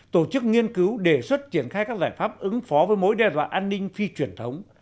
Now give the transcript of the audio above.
tổ chức nghiên cứu đề xuất triển khai các giải pháp ứng phó với mối đe dọa an ninh phi truyền thống